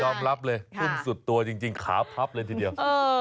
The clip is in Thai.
รับเลยทุ่มสุดตัวจริงขาพับเลยทีเดียว